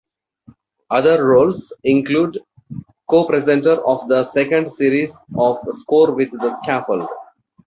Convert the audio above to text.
Other roles include co-presenter of the second series of "Score With The Scaffold".